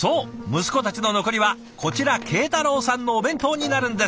息子たちの残りはこちら慶太郎さんのお弁当になるんです。